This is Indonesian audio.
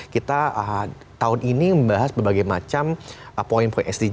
kita tahun ini membahas berbagai macam point sdj